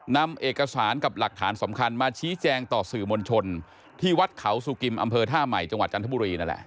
นำเอกสารกับหลักฐานสำคัญมาชี้แจงต่อสื่อมวลชนที่วัดเขาสุกิมอำเภอท่าใหม่จังหวัดจันทบุรีนั่นแหละ